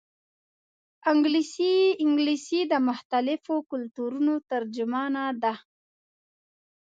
انګلیسي د مختلفو کلتورونو ترجمانه ده